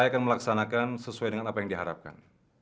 saya akan melaksanakan sesuai dengan apa yang diharapkan